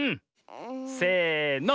せの。